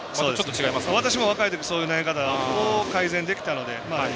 私も若い時そういう投げ方改善できたので。